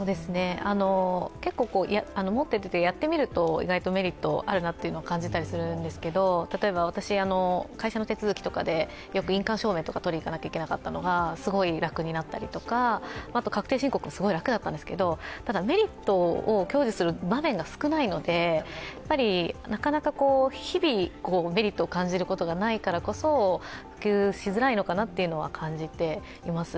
結構、持っているときはやってみると意外とメリットあるなと感じたりするんですけど例えば私、会社の手続きとかでよく印鑑証明をとりに行かないといけなかったのがすごい楽になったりとか、確定申告もすごい楽だったんですけど、ただ、メリットを享受する場面が少ないので、なかなか日々メリットを感じることがないからこそ普及しづらいのかなというのは感じています。